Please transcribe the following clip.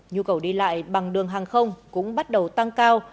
nhu cầu đi lại bằng đường hàng không cũng bắt đầu tăng cao